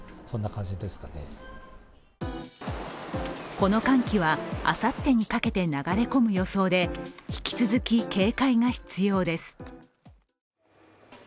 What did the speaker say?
この寒気はあさってにかけて流れ込む予想で引き続き、警戒が必要です。